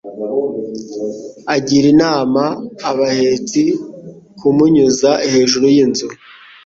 Agira inama abahetsi kumunyuza hejuru y'inzu.